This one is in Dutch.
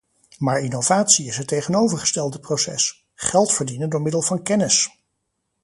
Maar innovatie is het tegenovergestelde proces: geld verdienen door middel van kennis!